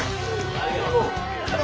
ありがとう！